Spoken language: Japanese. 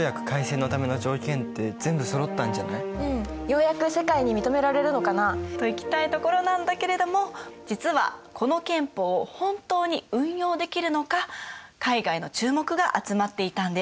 ようやく世界に認められるのかな。といきたいところなんだけれども実はこの憲法を本当に運用できるのか海外の注目が集まっていたんです。